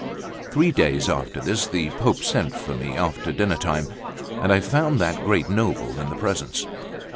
Three days after this, the Pope sent for me after dinnertime, and I found that great noble in the presence.